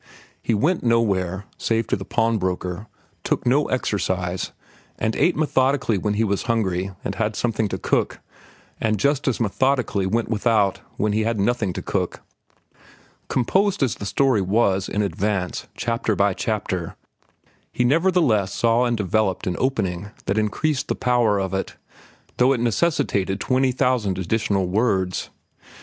He went nowhere, save to the pawnbroker, took no exercise, and ate methodically when he was hungry and had something to cook, and just as methodically went without when he had nothing to cook. Composed as the story was, in advance, chapter by chapter, he nevertheless saw and developed an opening that increased the power of it, though it necessitated twenty thousand additional words.